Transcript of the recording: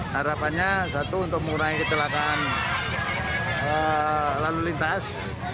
harapannya satu untuk mengurangi kecelakaan lalu lintas